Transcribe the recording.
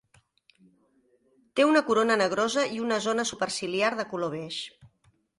Té una corona negrosa i una zona superciliar de color beix.